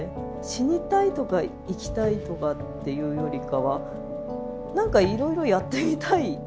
死にたいとか生きたいとかっていうよりかは何かいろいろやってみたい。